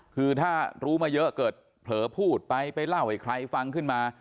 คือถ้ารู้มาเยอะเกิดเผลอพูดไปไปเล่าให้ใครฟังขึ้นมา